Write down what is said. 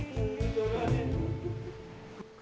nanti ya terus